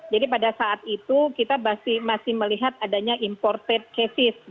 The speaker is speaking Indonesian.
jadi pada saat itu kita masih melihat adanya imported case